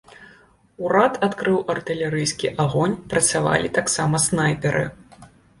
Урад адкрыў артылерыйскі агонь, працавалі таксама снайперы.